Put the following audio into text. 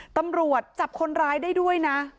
ตำรวจจับคนร้ายได้ด้วยนะ